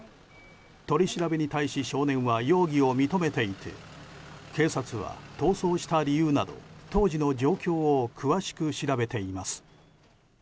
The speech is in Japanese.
取り調べに対し少年は容疑を認めていて警察は逃走した理由など当時の状況を詳しく調べています。